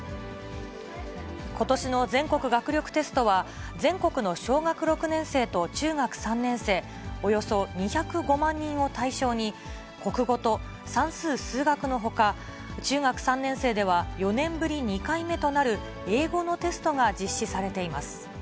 ことしの全国学力テストは、全国の小学６年生と中学３年生、およそ２０５万人を対象に、国語と算数・数学のほか、中学３年生では４年ぶり２回目となる英語のテストが実施されています。